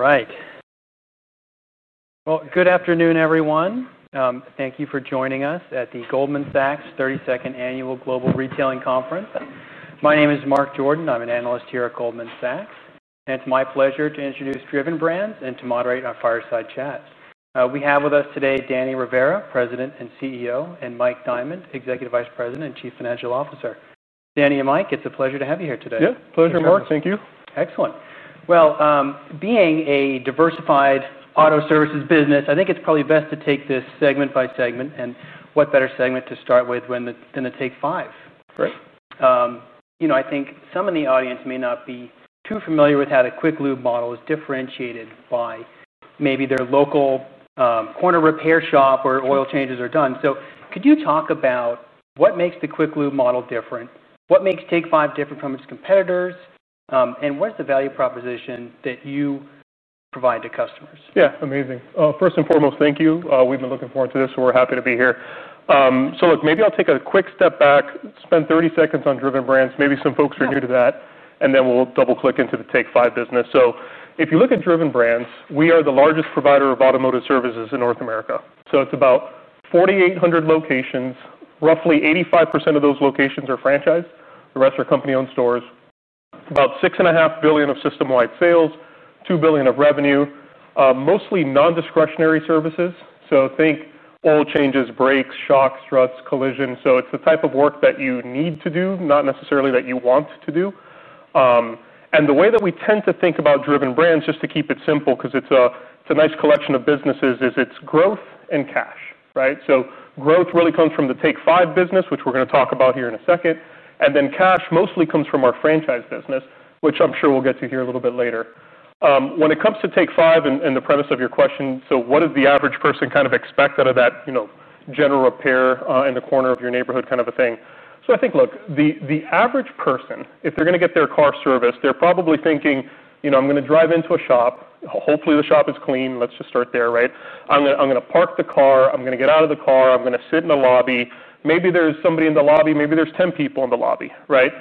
All right. Good afternoon, everyone. Thank you for joining us at the Goldman Sachs 32nd Annual Global Retailing Conference. My name is Mark Jordan. I'm an analyst here at Goldman Sachs. It's my pleasure to introduce Driven Brands and to moderate our fireside chat. We have with us today Daniel Rivera, President and CEO, and Mike Diamond, Executive Vice President and Chief Financial Officer. Daniel, Mike, it's a pleasure to have you here today. Yeah, pleasure, Mark. Thank you. Excellent. Being a diversified auto services business, I think it's probably best to take this segment by segment. What better segment to start with than to Take 5? Right. I think some in the audience may not be too familiar with how the quick lube model is differentiated by maybe their local corner repair shop where oil changes are done. Could you talk about what makes the quick lube model different, what makes Take 5 Oil Change different from its competitors, and what is the value proposition that you provide to customers? Yeah, amazing. First and foremost, thank you. We've been looking forward to this. We're happy to be here. Maybe I'll take a quick step back, spend 30 seconds on Driven Brands, maybe some folks who are new to that, and then we'll double click into the Take 5 business. If you look at Driven Brands, we are the largest provider of automotive services in North America. It's about 4,800 locations. Roughly 85% of those locations are franchised. The rest are company-owned stores. About $6.5 billion of system-wide sales, $2 billion of revenue, mostly non-discretionary services. Think oil changes, brakes, shocks, struts, collision. It's the type of work that you need to do, not necessarily that you want to do. The way that we tend to think about Driven Brands, just to keep it simple, because it's a nice collection of businesses, is its growth and cash. Growth really comes from the Take 5 business, which we're going to talk about here in a second. Cash mostly comes from our franchise business, which I'm sure we'll get to here a little bit later. When it comes to Take 5 and the premise of your question, what does the average person kind of expect out of that general repair in the corner of your neighborhood kind of a thing? I think the average person, if they're going to get their car serviced, they're probably thinking, you know, I'm going to drive into a shop. Hopefully, the shop is clean. Let's just start there, right? I'm going to park the car. I'm going to get out of the car. I'm going to sit in the lobby. Maybe there's somebody in the lobby. Maybe there's 10 people in the lobby, right?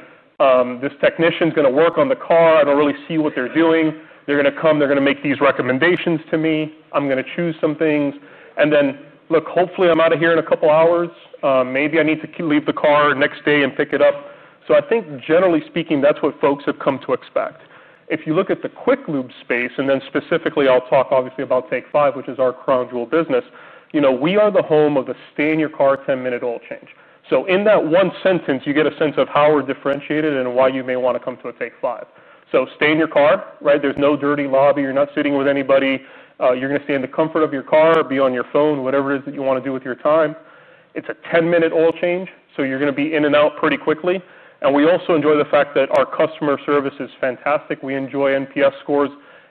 This technician is going to work on the car. I don't really see what they're doing. They're going to come. They're going to make these recommendations to me. I'm going to choose some things. Hopefully, I'm out of here in a couple of hours. Maybe I need to leave the car next day and pick it up. I think, generally speaking, that's what folks have come to expect. If you look at the quick lube space, and then specifically, I'll talk obviously about Take 5, which is our crown jewel business, we are the home of a stay in your car 10-minute oil change. In that one sentence, you get a sense of how we're differentiated and why you may want to come to a Take 5. Stay in your car, right? There's no dirty lobby. You're not sitting with anybody. You're going to stay in the comfort of your car, be on your phone, whatever it is that you want to do with your time. It's a 10-minute oil change. You're going to be in and out pretty quickly. We also enjoy the fact that our customer service is fantastic. We enjoy NPS scores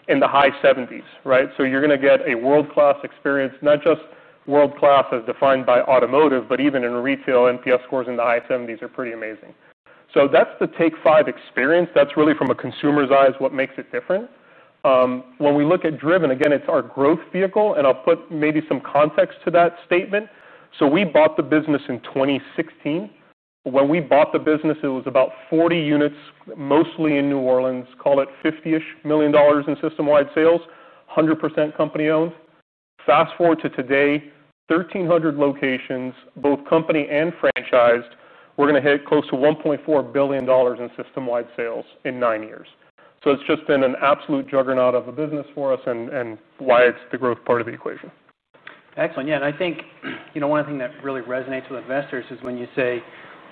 in the high 70s, right? You're going to get a world-class experience, not just world-class as defined by automotive, but even in retail, NPS scores in the high 70s are pretty amazing. That's the Take 5 experience. That's really, from a consumer's eyes, what makes it different. When we look at Driven Brands, again, it's our growth vehicle. I'll put maybe some context to that statement. We bought the business in 2016. When we bought the business, it was about 40 units, mostly in New Orleans. Call it $50 million in system-wide sales, 100% company-owned. Fast forward to today, 1,300 locations, both company and franchised. We're going to hit close to $1.4 billion in system-wide sales in nine years. It's just been an absolute juggernaut of a business for us and why it's the growth part of the equation. Excellent. Yeah, and I think, you know, one thing that really resonates with investors is when you say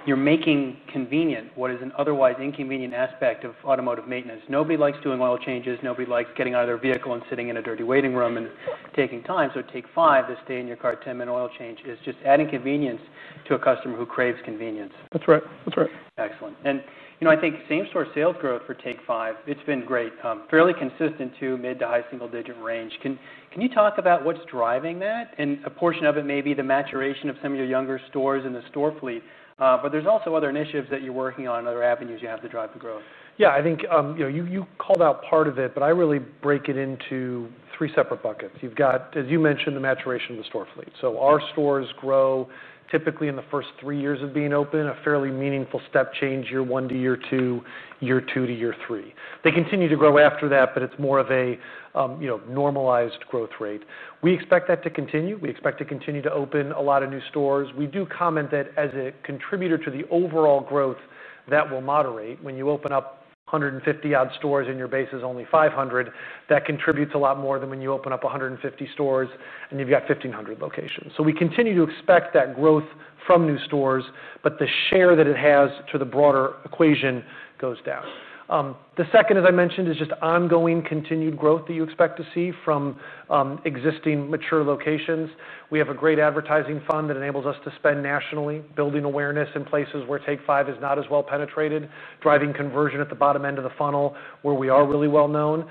you're making convenient what is an otherwise inconvenient aspect of automotive maintenance. Nobody likes doing oil changes. Nobody likes getting out of their vehicle and sitting in a dirty waiting room and taking time. Take 5, the stay in your car 10-minute oil change, is just adding convenience to a customer who craves convenience. That's right. That's right. Excellent. I think same-store sales growth for Take 5, it's been great, fairly consistent to mid to high single-digit range. Can you talk about what's driving that? A portion of it may be the maturation of some of your younger stores in the store fleet. There's also other initiatives that you're working on, other avenues you have to drive the growth. Yeah, I think you called out part of it. I really break it into three separate buckets. You've got, as you mentioned, the maturation of the store fleet. Our stores grow typically in the first three years of being open, a fairly meaningful step change year one to year two, year two to year three. They continue to grow after that, but it's more of a normalized growth rate. We expect that to continue. We expect to continue to open a lot of new stores. We do comment that as a contributor to the overall growth that will moderate. When you open up 150-odd stores and your base is only 500, that contributes a lot more than when you open up 150 stores and you've got 1,500 locations. We continue to expect that growth from new stores, but the share that it has to the broader equation goes down. The second, as I mentioned, is just ongoing continued growth that you expect to see from existing mature locations. We have a great advertising fund that enables us to spend nationally, building awareness in places where Take 5 is not as well penetrated, driving conversion at the bottom end of the funnel where we are really well known.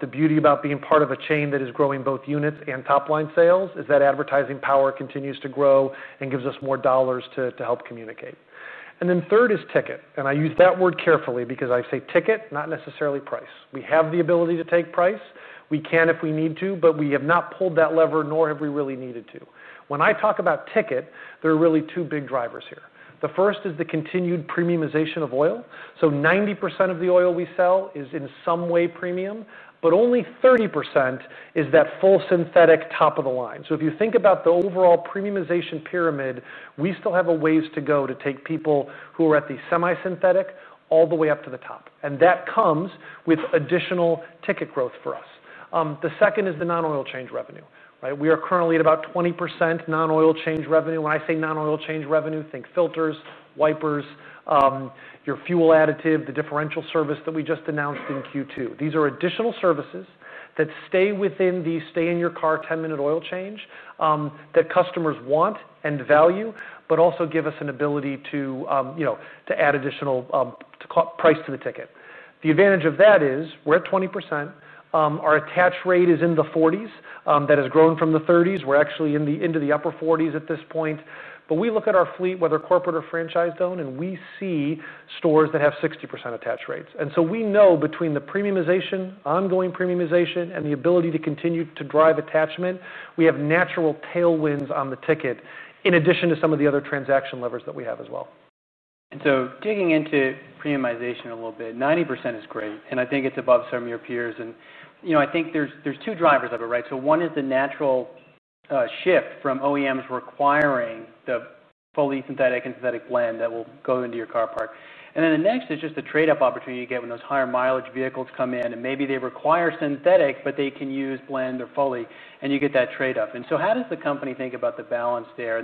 The beauty about being part of a chain that is growing both units and top-line sales is that advertising power continues to grow and gives us more dollars to help communicate. Third is ticket. I use that word carefully because I say ticket, not necessarily price. We have the ability to take price. We can if we need to, but we have not pulled that lever, nor have we really needed to. When I talk about ticket, there are really two big drivers here. The first is the continued premiumization of oil. 90% of the oil we sell is in some way premium, but only 30% is that full synthetic top of the line. If you think about the overall premiumization pyramid, we still have a ways to go to take people who are at the semi-synthetic all the way up to the top. That comes with additional ticket growth for us. The second is the non-oil change revenue. We are currently at about 20% non-oil change revenue. When I say non-oil change revenue, think filters, wipers, your fuel additive, the differential service that we just announced in Q2. These are additional services that stay within the stay in your car 10-minute oil change that customers want and value, but also give us an ability to add additional price to the ticket. The advantage of that is we're at 20%. Our attach rate is in the 40s. That has grown from the 30s. We're actually into the upper 40% at this point. We look at our fleet, whether corporate or franchised-owned, and we see stores that have 60% attach rates. We know between the premiumization, ongoing premiumization, and the ability to continue to drive attachment, we have natural tailwinds on the ticket in addition to some of the other transaction levers that we have as well. Digging into premiumization a little bit, 90% is great. I think it's above some of your peers. I think there are two drivers of it, right? One is the natural shift from OEMs requiring the fully synthetic, synthetic blend that will go into your car park. The next is just the trade-off opportunity you get when those higher mileage vehicles come in. Maybe they require synthetic, but they can use blend or fully, and you get that trade-off. How does the company think about the balance there?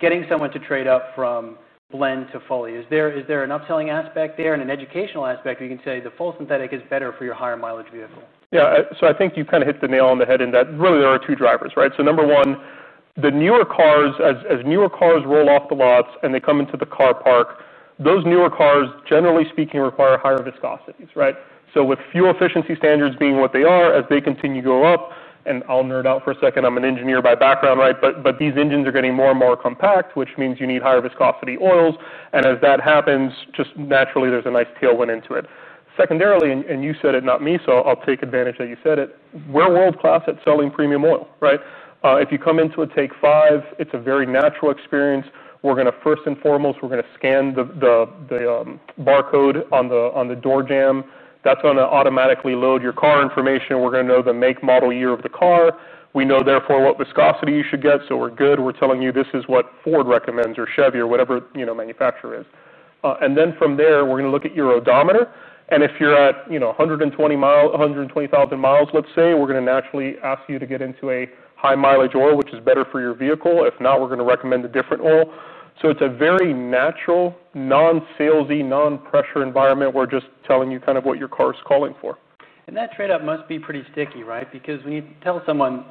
Getting someone to trade up from blend to fully, is there an upselling aspect there and an educational aspect where you can say the full synthetic is better for your higher mileage vehicle? Yeah, I think you kind of hit the nail on the head in that really there are two drivers, right? Number one, the newer cars, as newer cars roll off the lots and they come into the car park, those newer cars, generally speaking, require higher viscosities, right? With fuel efficiency standards being what they are, as they continue to go up, and I'll nerd out for a second. I'm an engineer by background, right? These engines are getting more and more compact, which means you need higher viscosity oils. As that happens, just naturally, there's a nice tailwind into it. Secondarily, and you said it, not me, so I'll take advantage that you said it, we're world-class at selling premium oil, right? If you come into a Take 5 Oil Change, it's a very natural experience. We're going to, first and foremost, scan the barcode on the door jamb. That's going to automatically load your car information. We're going to know the make, model, year of the car. We know, therefore, what viscosity you should get. We're telling you this is what Ford recommends or Chevy or whatever the manufacturer is. From there, we're going to look at your odometer. If you're at 120,000 miles, let's say, we're going to naturally ask you to get into a high-mileage oil, which is better for your vehicle. If not, we're going to recommend a different oil. It's a very natural, non-salesy, non-pressure environment. We're just telling you kind of what your car is calling for. That trade-off must be pretty sticky, right? Because when you tell someone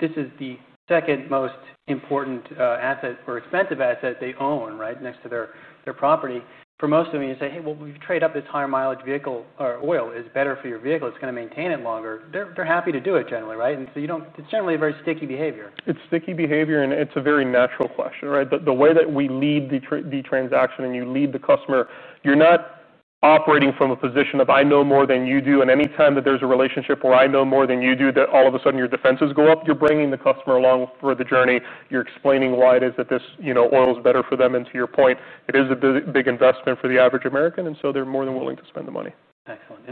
this is the second most important asset or expensive asset they own, right, next to their property, for most of them, you say, hey, we've trained up this higher mileage vehicle or oil is better for your vehicle. It's going to maintain it longer. They're happy to do it generally, right? You don't, it's generally a very sticky behavior. It's sticky behavior, and it's a very natural question, right? The way that we lead the transaction and you lead the customer, you're not operating from a position of I know more than you do. Any time that there's a relationship where I know more than you do, all of a sudden your defenses go up. You're bringing the customer along for the journey, you're explaining why it is that this oil is better for them. To your point, it is a big investment for the average American, and they're more than willing to spend the money. Excellent.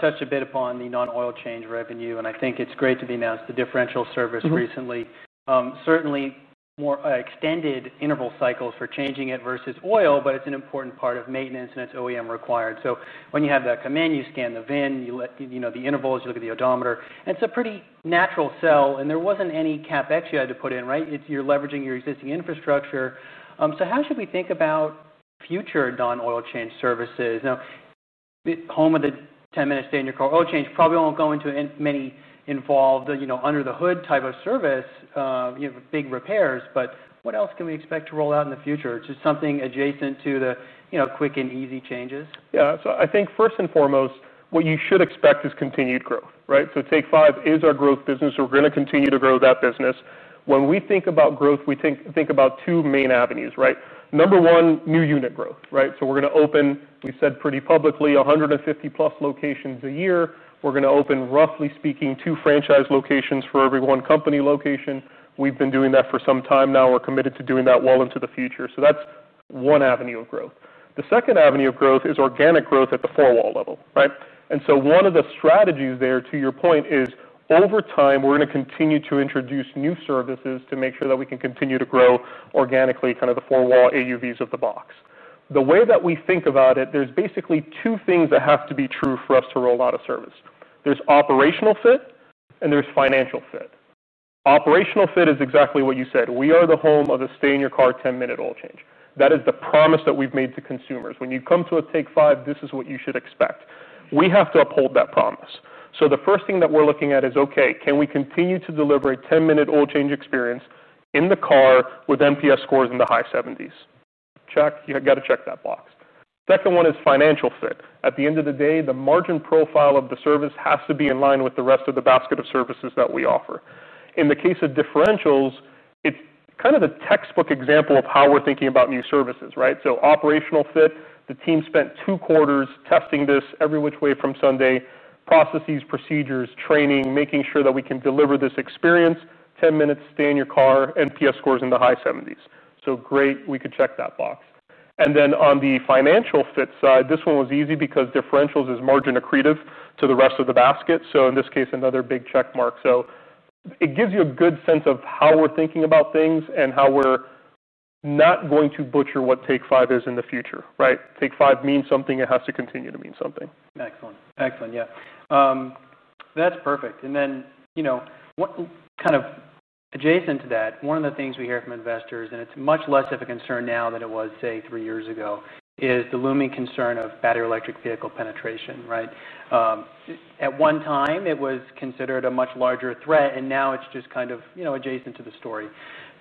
Touch a bit upon the non-oil change revenue. I think it's great you announced the differential service recently. Certainly, more extended interval cycles for changing it versus oil, but it's an important part of maintenance, and it's OEM required. When you have that come in, you scan the VIN, you let the intervals, you look at the odometer, and it's a pretty natural sell. There wasn't any CapEx you had to put in, right? You're leveraging your existing infrastructure. How should we think about future non-oil change services? Now, the home of the 10-minute stay-in-your-car oil change probably won't go into many involved under-the-hood type of service. You have big repairs. What else can we expect to roll out in the future? It's just something adjacent to the quick and easy changes. Yeah, so I think first and foremost, what you should expect is continued growth, right? Take 5 is our growth business. We're going to continue to grow that business. When we think about growth, we think about two main avenues, right? Number one, new unit growth, right? We're going to open, we said pretty publicly, 150-plus locations a year. We're going to open, roughly speaking, two franchise locations for every one company location. We've been doing that for some time now. We're committed to doing that well into the future. That's one avenue of growth. The second avenue of growth is organic growth at the four-wall level, right? One of the strategies there, to your point, is over time, we're going to continue to introduce new services to make sure that we can continue to grow organically, kind of the four-wall AUVs of the box. The way that we think about it, there's basically two things that have to be true for us to roll out a service. There's operational fit and there's financial fit. Operational fit is exactly what you said. We are the home of a stay in your car 10-minute oil change. That is the promise that we've made to consumers. When you come to a Take 5, this is what you should expect. We have to uphold that promise. The first thing that we're looking at is, can we continue to deliver a 10-minute oil change experience in the car with NPS scores in the high 70s? Check. You got to check that box. The second one is financial fit. At the end of the day, the margin profile of the service has to be in line with the rest of the basket of services that we offer. In the case of differentials, it's kind of the textbook example of how we're thinking about new services, right? Operational fit, the team spent two quarters testing this every which way from Sunday, processes, procedures, training, making sure that we can deliver this experience, 10 minutes, stay in your car, NPS scores in the high 70s. Great. We could check that box. On the financial fit side, this one was easy because differentials is margin accretive to the rest of the basket. In this case, another big check mark. It gives you a good sense of how we're thinking about things and how we're not going to butcher what Take 5 is in the future, right? Take 5 means something. It has to continue to mean something. Excellent. Excellent. Yeah, that's perfect. You know, kind of adjacent to that, one of the things we hear from investors, and it's much less of a concern now than it was, say, three years ago, is the looming concern of battery electric vehicle penetration, right? At one time, it was considered a much larger threat. Now it's just kind of adjacent to the story.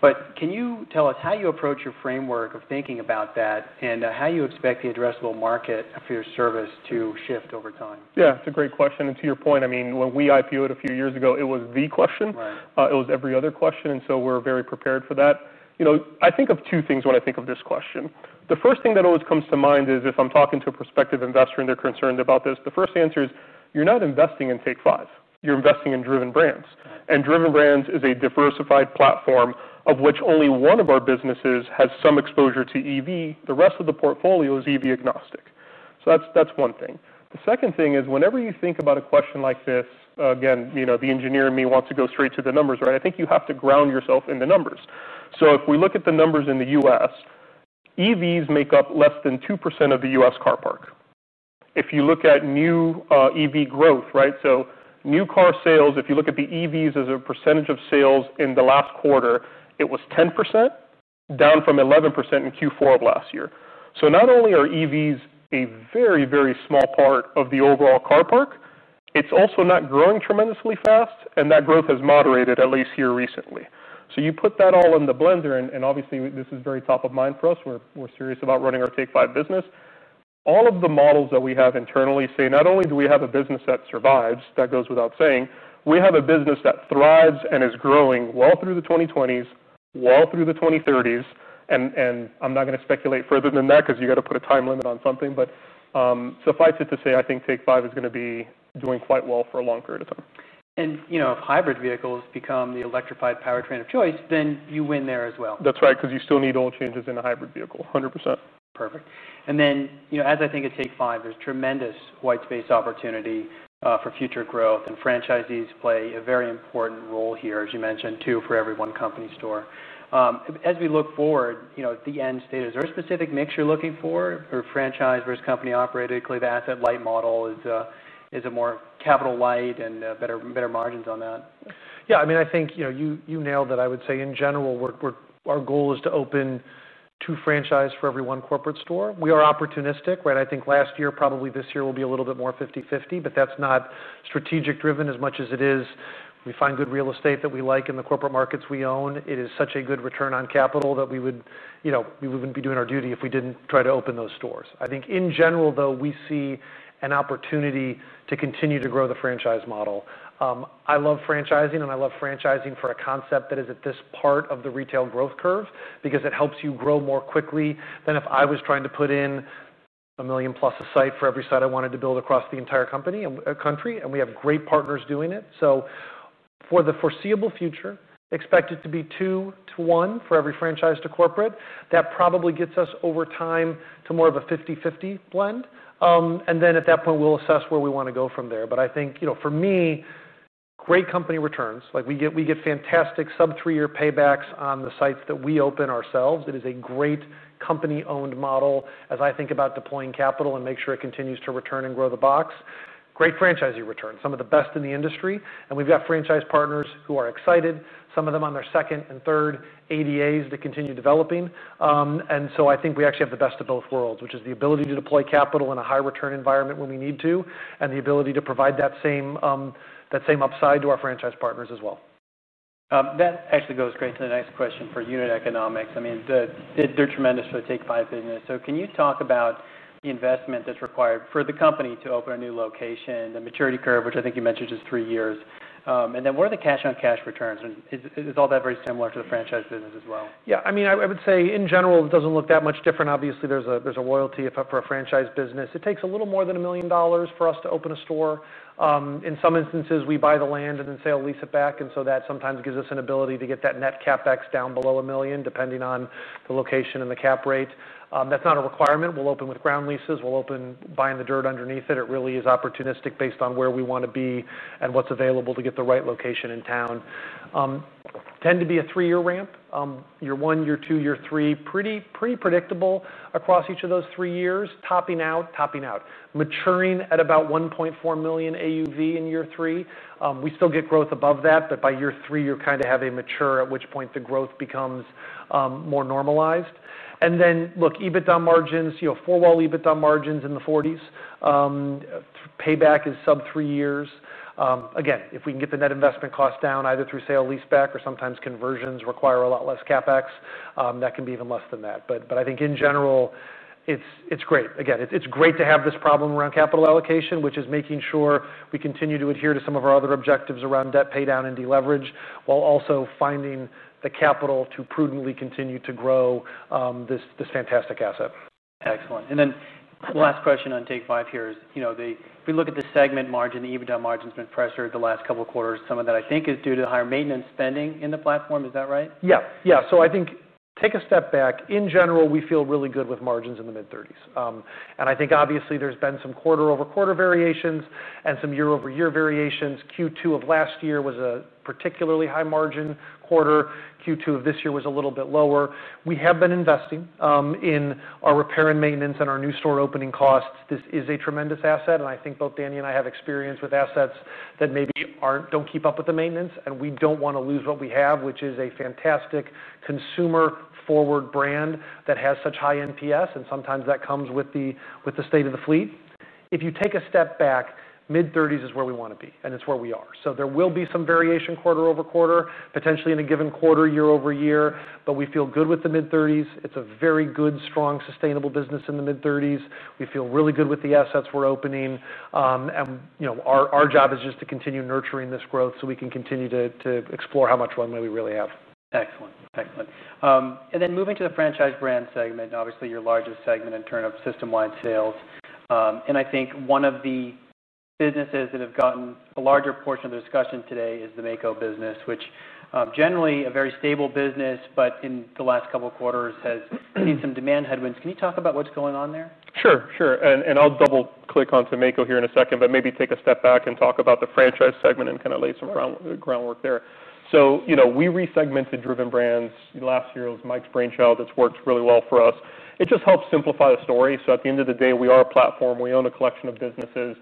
Can you tell us how you approach your framework of thinking about that and how you expect the addressable market for your service to shift over time? Yeah, it's a great question. To your point, when we IPOed a few years ago, it was the question. It was every other question. We're very prepared for that. I think of two things when I think of this question. The first thing that always comes to mind is if I'm talking to a prospective investor and they're concerned about this, the first answer is you're not investing in Take 5 Oil Change. You're investing in Driven Brands. Driven Brands is a diversified platform of which only one of our businesses has some exposure to electric vehicles. The rest of the portfolio is EV-agnostic. That's one thing. The second thing is whenever you think about a question like this, the engineer in me wants to go straight to the numbers. I think you have to ground yourself in the numbers. If we look at the numbers in the U.S., electric vehicles make up less than 2% of the U.S. car park. If you look at new EV growth, so new car sales, if you look at the EVs as a percentage of sales in the last quarter, it was 10%, down from 11% in Q4 of last year. Not only are electric vehicles a very, very small part of the overall car park, it's also not growing tremendously fast. That growth has moderated, at least here recently. You put that all in the blender. Obviously, this is very top of mind for us. We're serious about running our Take 5 Oil Change business. All of the models that we have internally say not only do we have a business that survives, that goes without saying, we have a business that thrives and is growing well through the 2020s, well through the 2030s. I'm not going to speculate further than that because you have to put a time limit on something. Suffice it to say, I think Take 5 Oil Change is going to be doing quite well for a long period of time. If hybrid vehicles become the electrified powertrain of choice, you win there as well. That's right, because you still need oil changes in a hybrid vehicle, 100%. Perfect. As I think of Take 5, there's tremendous white space opportunity for future growth. Franchisees play a very important role here, as you mentioned, too, for every one company store. As we look forward, at the end status, is there a specific mix you're looking for for franchise versus company-operated? Clearly the asset-light model is a more capital-light and better margins on that. Yeah, I mean, I think you know, you nailed that. I would say in general, our goal is to open two franchise for every one corporate store. We are opportunistic, right? I think last year, probably this year will be a little bit more 50/50. That's not strategic-driven as much as it is. We find good real estate that we like in the corporate markets we own. It is such a good return on capital that we wouldn't be doing our duty if we didn't try to open those stores. I think in general, though, we see an opportunity to continue to grow the franchise model. I love franchising. I love franchising for a concept that is at this part of the retail growth curve because it helps you grow more quickly than if I was trying to put in a million-plus a site for every site I wanted to build across the entire country. We have great partners doing it. For the foreseeable future, expect it to be two to one for every franchise to corporate. That probably gets us over time to more of a 50/50 blend. At that point, we'll assess where we want to go from there. For me, great company returns. We get fantastic sub-three-year paybacks on the sites that we open ourselves. It is a great company-owned model as I think about deploying capital and make sure it continues to return and grow the box. Great franchisee returns, some of the best in the industry. We've got franchise partners who are excited, some of them on their second and third ADAs to continue developing. I think we actually have the best of both worlds, which is the ability to deploy capital in a high-return environment when we need to, and the ability to provide that same upside to our franchise partners as well. That actually goes great to the next question for unit economics. I mean, they're tremendous for the Take 5 business. Can you talk about the investment that's required for the company to open a new location, the maturity curve, which I think you mentioned is three years, and then what are the cash-on-cash returns? Is all that very similar to the franchise business as well? Yeah, I mean, I would say in general, it doesn't look that much different. Obviously, there's a loyalty effect for a franchise business. It takes a little more than $1 million for us to open a store. In some instances, we buy the land and then sell or lease it back. That sometimes gives us an ability to get that net CapEx down below $1 million, depending on the location and the cap rate. That's not a requirement. We'll open with ground leases. We'll open buying the dirt underneath it. It really is opportunistic based on where we want to be and what's available to get the right location in town. Tend to be a three-year ramp, year one, year two, year three, pretty predictable across each of those three years, topping out, maturing at about $1.4 million AUV in year three. We still get growth above that. By year three, you're kind of having mature, at which point the growth becomes more normalized. EBITDA margins, you know, four-wall EBITDA margins in the 40%. Payback is sub-three years. If we can get the net investment cost down either through sale, leaseback, or sometimes conversions require a lot less CapEx, that can be even less than that. I think in general, it's great. Again, it's great to have this problem around capital allocation, which is making sure we continue to adhere to some of our other objectives around debt paydown and deleverage while also finding the capital to prudently continue to grow this fantastic asset. Excellent. The last question on Take 5 Oil Change here is, if we look at the segment margin, the EBITDA margin's been pressured the last couple of quarters. Some of that, I think, is due to the higher maintenance spending in the platform. Is that right? I think take a step back. In general, we feel really good with margins in the mid-30%. I think obviously, there's been some quarter-over-quarter variations and some year-over-year variations. Q2 of last year was a particularly high margin quarter. Q2 of this year was a little bit lower. We have been investing in our repair and maintenance and our new store opening costs. This is a tremendous asset. I think both Daniel and I have experience with assets that maybe don't keep up with the maintenance. We don't want to lose what we have, which is a fantastic consumer-forward brand that has such high NPS. Sometimes that comes with the state of the fleet. If you take a step back, mid-30% is where we want to be, and it's where we are. There will be some variation quarter-over-quarter, potentially in a given quarter, year-over-year. We feel good with the mid-30%. It's a very good, strong, sustainable business in the mid-30%. We feel really good with the assets we're opening, and our job is just to continue nurturing this growth so we can continue to explore how much room that we really have. Excellent, excellent. Moving to the franchise segment, obviously your largest segment in terms of system-wide sales, I think one of the businesses that has gotten a larger portion of the discussion today is the Maaco business, which generally is a very stable business. In the last couple of quarters, it has seen some demand headwinds. Can you talk about what's going on there? Sure, sure. I'll double click onto Maaco here in a second. Maybe take a step back and talk about the franchise segment and kind of lay some groundwork there. You know, we resegmented Driven Brands last year. It was Mike's brainchild. It's worked really well for us. It just helps simplify the story. At the end of the day, we are a platform. We own a collection of businesses.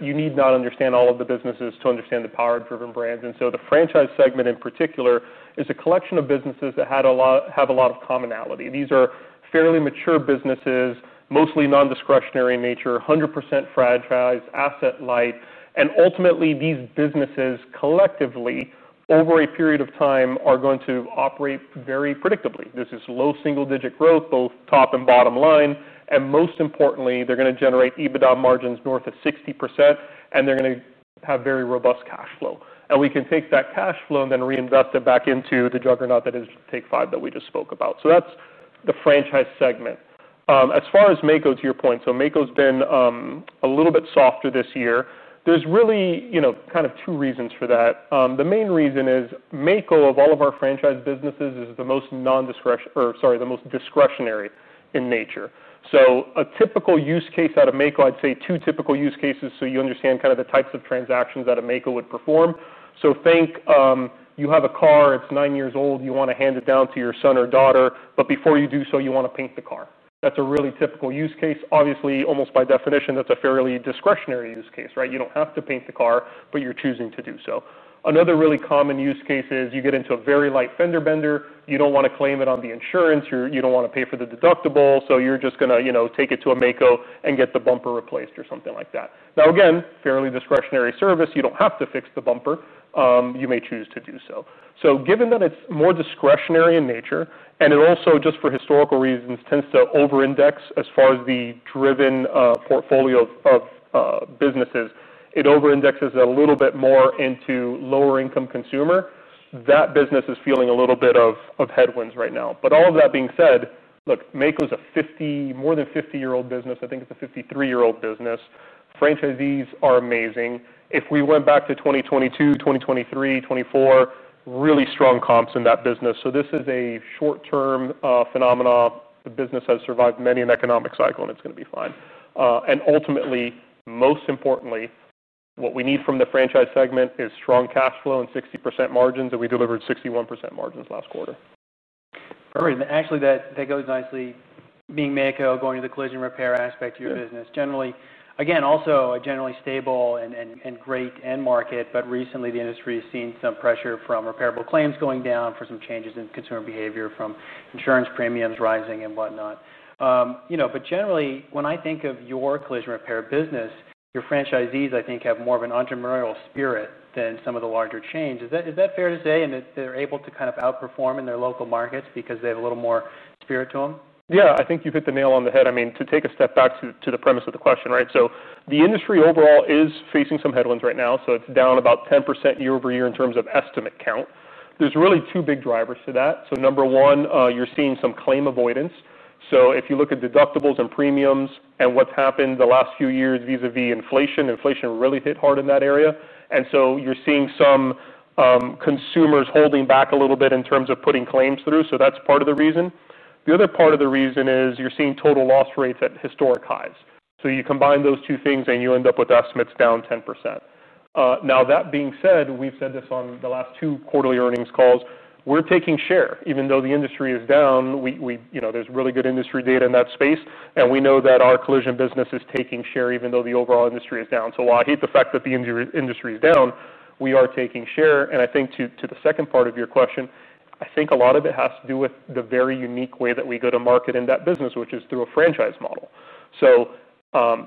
You need not understand all of the businesses to understand the power of Driven Brands. The franchise segment in particular is a collection of businesses that have a lot of commonality. These are fairly mature businesses, mostly non-discretionary in nature, 100% franchise, asset-light. Ultimately, these businesses, collectively, over a period of time, are going to operate very predictably. This is low single-digit growth, both top and bottom line. Most importantly, they're going to generate EBITDA margins north of 60%. They're going to have very robust cash flow. We can take that cash flow and then reinvest it back into the juggernaut that is Take 5 that we just spoke about. That's the franchise segment. As far as Maaco, to your point, Maaco's been a little bit softer this year. There are really kind of two reasons for that. The main reason is Maaco, of all of our franchise businesses, is the most discretionary in nature. A typical use case out of Maaco, I'd say two typical use cases so you understand kind of the types of transactions that a Maaco would perform. Think you have a car. It's nine years old. You want to hand it down to your son or daughter. Before you do so, you want to paint the car. That's a really typical use case. Obviously, almost by definition, that's a fairly discretionary use case, right? You don't have to paint the car, but you're choosing to do so. Another really common use case is you get into a very light fender bender. You don't want to claim it on the insurance. You don't want to pay for the deductible. You're just going to take it to a Maaco and get the bumper replaced or something like that. Again, fairly discretionary service. You don't have to fix the bumper. You may choose to do so. Given that it's more discretionary in nature, and it also, just for historical reasons, tends to over-index as far as the Driven Brands portfolio of businesses, it over-indexes a little bit more into lower-income consumer. That business is feeling a little bit of headwinds right now. All of that being said, look, Maaco is a more than 50-year-old business. I think it's a 53-year-old business. Franchisees are amazing. If we went back to 2022- 2024, really strong comps in that business. This is a short-term phenomena. The business has survived many an economic cycle. It's going to be fine. Ultimately, most importantly, what we need from the franchise segment is strong cash flow and 60% margins. We delivered 61% margins last quarter. Perfect. That goes nicely, being Maaco, going to the collision repair aspect of your business. Generally, again, also generally stable and great end market. Recently, the industry has seen some pressure from repairable claims going down for some changes in consumer behavior from insurance premiums rising and whatnot. Generally, when I think of your collision repair business, your franchisees, I think, have more of an entrepreneurial spirit than some of the larger chains. Is that fair to say? They're able to kind of outperform in their local markets because they have a little more spirit to them? Yeah, I think you've hit the nail on the head. I mean, to take a step back to the premise of the question, right? The industry overall is facing some headwinds right now. It's down about 10% year-over-year in terms of estimate count. There are really two big drivers to that. Number one, you're seeing some claim avoidance. If you look at deductibles and premiums and what's happened the last few years in relation to inflation, inflation really hit hard in that area. You're seeing some consumers holding back a little bit in terms of putting claims through. That's part of the reason. The other part of the reason is you're seeing total loss rates at historic highs. You combine those two things, and you end up with estimates down 10%. That being said, we've said this on the last two quarterly earnings calls, we're taking share. Even though the industry is down, there's really good industry data in that space. We know that our collision business is taking share even though the overall industry is down. While I hate the fact that the industry is down, we are taking share. I think to the second part of your question, a lot of it has to do with the very unique way that we go to market in that business, which is through a franchise model.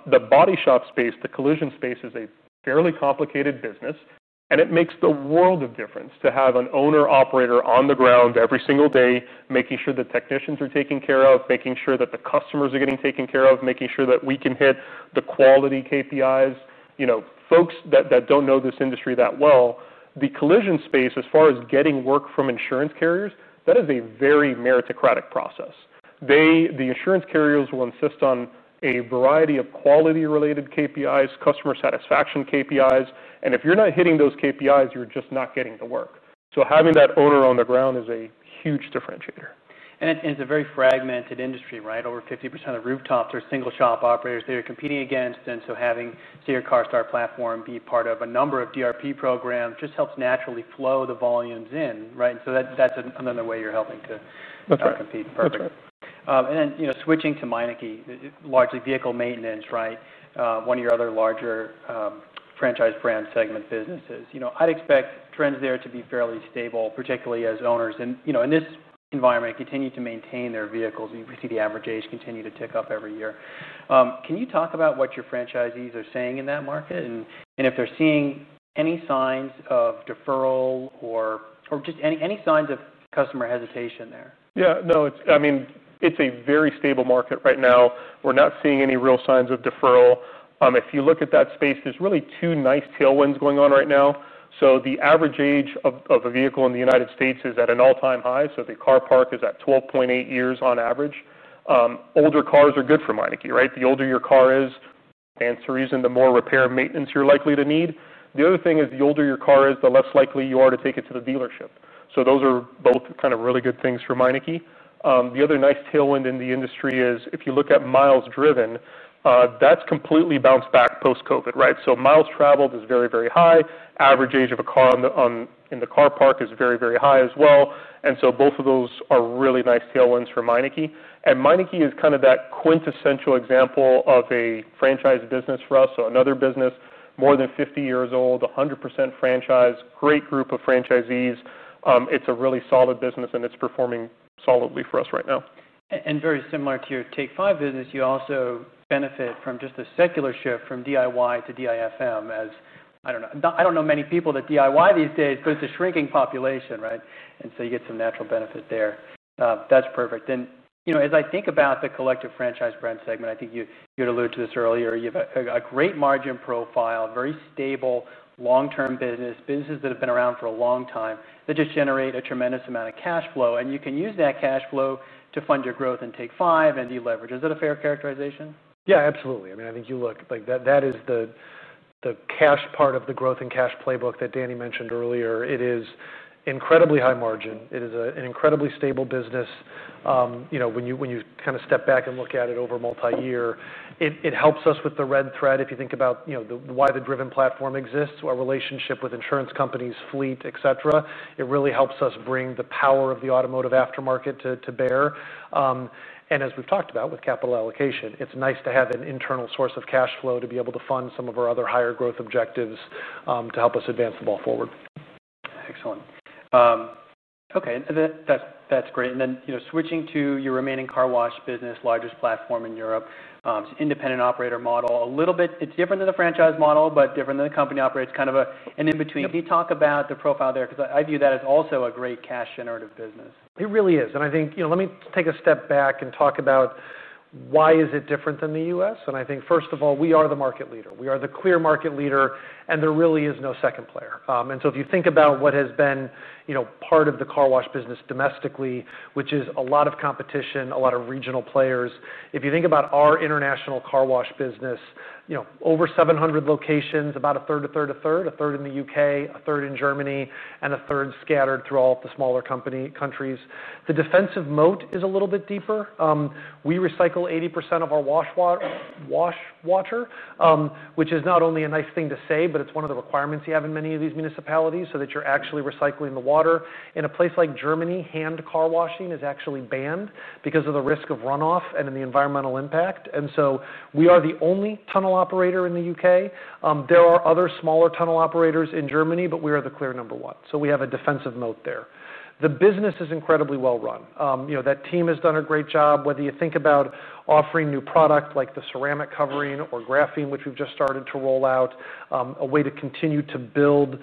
The body shop space, the collision space, is a fairly complicated business. It makes the world of difference to have an owner-operator on the ground every single day, making sure the technicians are taken care of, making sure that the customers are getting taken care of, making sure that we can hit the quality KPIs. Folks that don't know this industry that well, the collision space, as far as getting work from insurance carriers, that is a very meritocratic process. The insurance carriers will insist on a variety of quality-related KPIs, customer satisfaction KPIs. If you're not hitting those KPIs, you're just not getting the work. Having that owner on the ground is a huge differentiator. It's a very fragmented industry, right? Over 50% of rooftops are single shop operators that you're competing against. Having, say, your CARSTAR platform be part of a number of DRP programs just helps naturally flow the volumes in, right? That's another way you're helping to compete. That's right. Switching to Meineke, largely vehicle maintenance, right? One of your other larger franchise brand segment businesses. I'd expect trends there to be fairly stable, particularly as owners in this environment continue to maintain their vehicles. We see the average age continue to tick up every year. Can you talk about what your franchisees are saying in that market and if they're seeing any signs of deferral or just any signs of customer hesitation there? Yeah, no, I mean, it's a very stable market right now. We're not seeing any real signs of deferral. If you look at that space, there's really two nice tailwinds going on right now. The average age of a vehicle in the U.S. is at an all-time high. The car park is at 12.8 years on average. Older cars are good for Meineke, right? The older your car is, the more repair and maintenance you're likely to need. The other thing is the older your car is, the less likely you are to take it to the dealership. Those are both really good things for Meineke. Another nice tailwind in the industry is if you look at miles driven, that's completely bounced back post-COVID, right? Miles traveled is very, very high. Average age of a car in the car park is very, very high as well. Both of those are really nice tailwinds for Meineke. Meineke is kind of that quintessential example of a franchise business for us. Another business, more than 50 years old, 100% franchise, great group of franchisees. It's a really solid business. It's performing solidly for us right now. Very similar to your Take 5 business, you also benefit from just the secular shift from DIY to DIFM as I don't know many people that DIY these days, but it's a shrinking population, right? You get some natural benefit there. That's perfect. As I think about the collective franchise brand segment, I think you had alluded to this earlier. You have a great margin profile, very stable long-term business, businesses that have been around for a long time that just generate a tremendous amount of cash flow. You can use that cash flow to fund your growth in Take 5 and deleverage. Is that a fair characterization? Yeah, absolutely. I mean, I think you look like that is the cash part of the growth and cash playbook that Danny mentioned earlier. It is incredibly high margin. It is an incredibly stable business. You know, when you kind of step back and look at it over multiyear, it helps us with the red thread if you think about why the Driven Brands platform exists, our relationship with insurance companies, fleet, et cetera. It really helps us bring the power of the automotive aftermarket to bear. As we've talked about with capital allocation, it's nice to have an internal source of cash flow to be able to fund some of our other higher growth objectives to help us advance the ball forward. Excellent. OK, that's great. Switching to your remaining car wash business, largest platform in Europe, it's an independent operator model. It's a little bit different than the franchise model, but different than the company operator. It's kind of an in between. Can you talk about the profile there? I view that as also a great cash-generative business. It really is. I think, you know, let me take a step back and talk about why is it different than the U.S. I think, first of all, we are the market leader. We are the clear market leader. There really is no second player. If you think about what has been part of the car wash business domestically, which is a lot of competition, a lot of regional players, if you think about our international car wash business, over 700 locations, about a third in the UK, a third in Germany, and a third scattered through all of the smaller countries. The defensive moat is a little bit deeper. We recycle 80% of our wash water, which is not only a nice thing to say, but it's one of the requirements you have in many of these municipalities so that you're actually recycling the water. In a place like Germany, hand car washing is actually banned because of the risk of runoff and the environmental impact. We are the only tunnel operator in the UK. There are other smaller tunnel operators in Germany. We are the clear number one. We have a defensive moat there. The business is incredibly well run. That team has done a great job. Whether you think about offering new products like the ceramic covering or graphene, which we've just started to roll out, a way to continue to build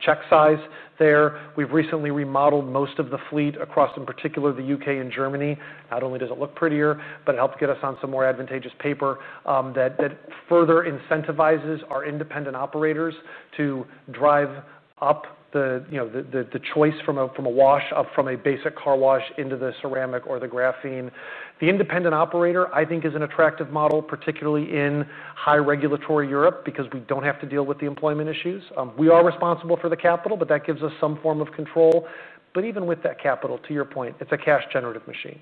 check size there. We've recently remodeled most of the fleet across, in particular, the UK and Germany. Not only does it look prettier, but it helps get us on some more advantageous paper that further incentivizes our independent operators to drive up the choice from a basic car wash into the ceramic or the graphene. The independent operator, I think, is an attractive model, particularly in high regulatory Europe, because we don't have to deal with the employment issues. We are responsible for the capital. That gives us some form of control. Even with that capital, to your point, it's a cash-generative machine.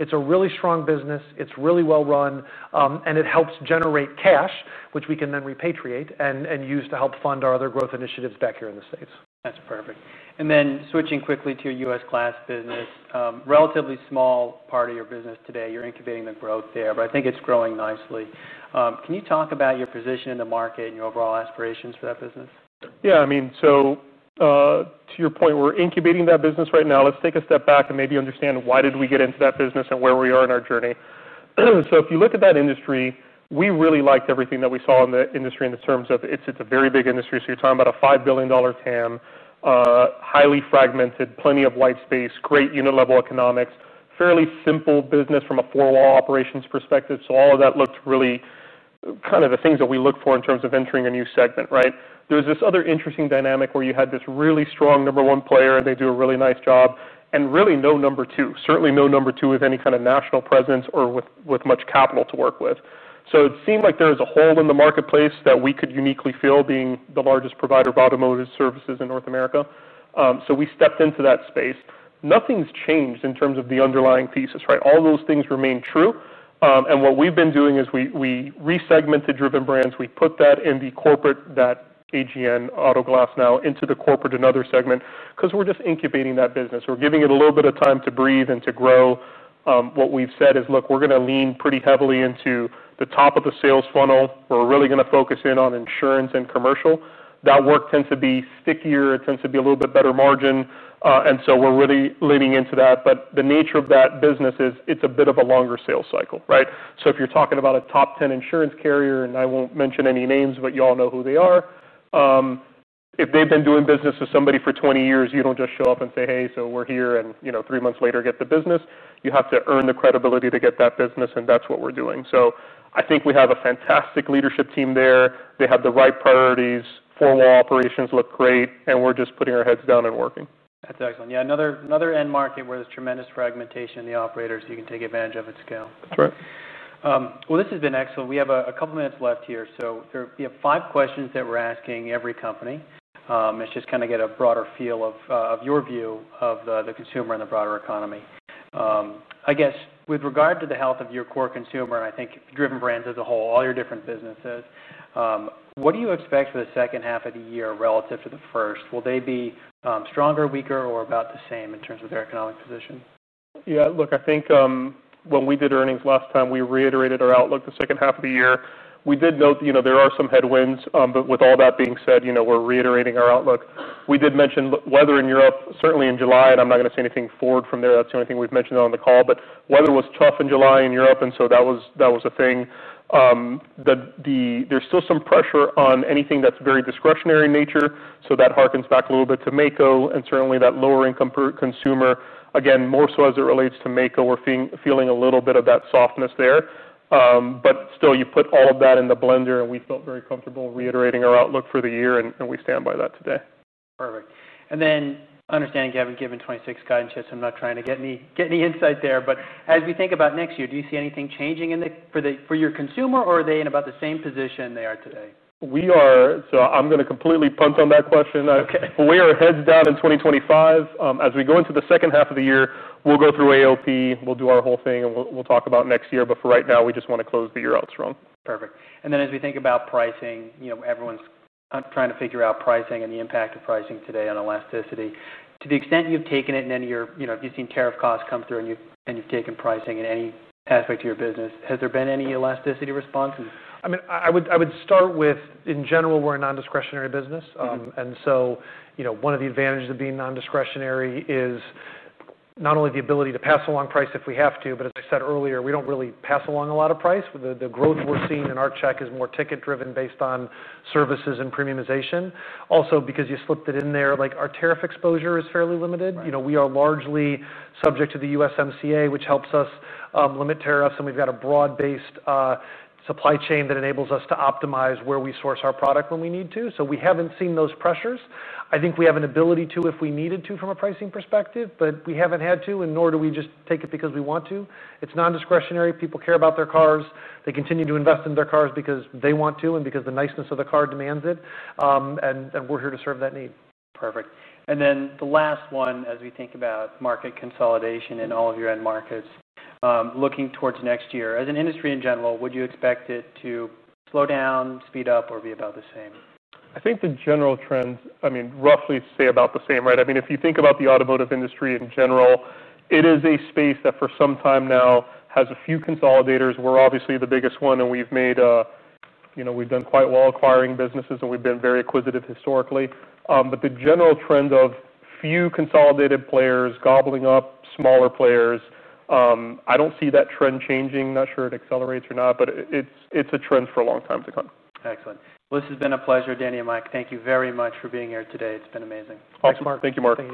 It's a really strong business. It's really well run. It helps generate cash, which we can then repatriate and use to help fund our other growth initiatives back here in the States. That's perfect. Switching quickly to your U.S. glass business, it's a relatively small part of your business today. You're incubating the growth there, and I think it's growing nicely. Can you talk about your position in the market and your overall aspirations for that business? Yeah, I mean, to your point, we're incubating that business right now. Let's take a step back and maybe understand why did we get into that business and where we are in our journey. If you look at that industry, we really liked everything that we saw in the industry in terms of it's a very big industry. You're talking about a $5 billion TAM, highly fragmented, plenty of white space, great unit-level economics, fairly simple business from a four-wall operations perspective. All of that looked really kind of the things that we look for in terms of entering a new segment, right? There's this other interesting dynamic where you had this really strong number one player. They do a really nice job. Really no number two, certainly no number two with any kind of national presence or with much capital to work with. It seemed like there was a hole in the marketplace that we could uniquely fill, being the largest provider of automotive services in North America. We stepped into that space. Nothing's changed in terms of the underlying thesis, right? All those things remain true. What we've been doing is we resegmented Driven Brands. We put that in the corporate, that Auto Glass Now, into the corporate and other segment because we're just incubating that business. We're giving it a little bit of time to breathe and to grow. What we've said is, look, we're going to lean pretty heavily into the top of the sales funnel. We're really going to focus in on insurance and commercial. That work tends to be stickier. It tends to be a little bit better margin. We're really leaning into that. The nature of that business is it's a bit of a longer sales cycle, right? If you're talking about a top 10 insurance carrier, and I won't mention any names, but you all know who they are, if they've been doing business with somebody for 20 years, you don't just show up and say, hey, so we're here. Three months later, get the business. You have to earn the credibility to get that business. That's what we're doing. I think we have a fantastic leadership team there. They have the right priorities. Four-wall operations look great. We're just putting our heads down and working. That's excellent. Yeah, another end market where there's tremendous fragmentation in the operators. You can take advantage of its scale. That's right. This has been excellent. We have a couple of minutes left here. We have five questions that we're asking every company. It's just to get a broader feel of your view of the consumer and the broader economy. I guess with regard to the health of your core consumer, and I think Driven Brands as a whole, all your different businesses, what do you expect for the second half of the year relative to the first? Will they be stronger, weaker, or about the same in terms of their economic position? Yeah, look, I think when we did earnings last time, we reiterated our outlook for the second half of the year. We did note that there are some headwinds. With all that being said, we're reiterating our outlook. We did mention weather in Europe, certainly in July. I'm not going to say anything forward from there. That's the only thing we've mentioned on the call. Weather was tough in July in Europe, and that was a thing. There's still some pressure on anything that's very discretionary in nature. That harkens back a little bit to Maaco, and certainly, that lower-income consumer, again, more so as it relates to Maaco, we're feeling a little bit of that softness there. Still, you put all of that in the blender, and we felt very comfortable reiterating our outlook for the year. We stand by that today. Perfect. Understanding you haven't given 2026 guidance yet, I'm not trying to get any insight there. As we think about next year, do you see anything changing for your consumer, or are they in about the same position they are today? We are. I'm going to completely punt on that question. We are heads down in 2025. As we go into the second half of the year, we'll go through AOP, do our whole thing, and talk about next year. For right now, we just want to close the year out strong. Perfect. As we think about pricing, you know, everyone's trying to figure out pricing and the impact of pricing today on elasticity. To the extent you've taken it in any of your, you know, if you've seen tariff costs come through and you've taken pricing in any aspect of your business, has there been any elasticity response? I mean, I would start with, in general, we're a non-discretionary business. One of the advantages of being non-discretionary is not only the ability to pass along price if we have to, but as I said earlier, we don't really pass along a lot of price. The growth we're seeing in our check is more ticket-driven based on services and premiumization. Also, because you slipped it in there, our tariff exposure is fairly limited. We are largely subject to the USMCA, which helps us limit tariffs. We've got a broad-based supply chain that enables us to optimize where we source our product when we need to. We haven't seen those pressures. I think we have an ability to if we needed to from a pricing perspective. We haven't had to, nor do we just take it because we want to. It's non-discretionary. People care about their cars. They continue to invest in their cars because they want to and because the niceness of the car demands it. We're here to serve that need. Perfect. The last one, as we think about market consolidation in all of your end markets, looking towards next year, as an industry in general, would you expect it to slow down, speed up, or be about the same? I think the general trends, I mean, roughly stay about the same, right? I mean, if you think about the automotive industry in general, it is a space that for some time now has a few consolidators. We're obviously the biggest one. We've made, you know, we've done quite well acquiring businesses. We've been very acquisitive historically. The general trend of few consolidated players gobbling up smaller players, I don't see that trend changing. Not sure it accelerates or not. It's a trend for a long time to come. Excellent. This has been a pleasure. Daniel and Mike, thank you very much for being here today. It's been amazing. Thank you, Mark.